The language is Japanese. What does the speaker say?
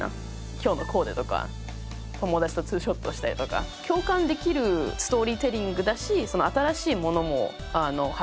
今日のコーデとか友達とツーショットしたりとか共感できるストーリーテリングだし新しいものも発信したいと思っていて。